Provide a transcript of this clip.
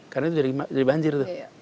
karena itu jadi banjir